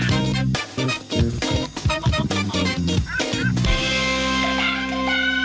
โปรดติดตามตอนต่อไป